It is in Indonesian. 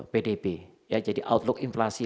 pdb ya jadi outlook inflasi